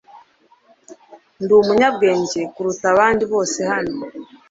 Ndi umunyabwenge kuruta abandi bose hano .